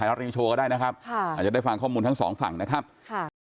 รัฐนิวโชว์ก็ได้นะครับค่ะอาจจะได้ฟังข้อมูลทั้งสองฝั่งนะครับค่ะ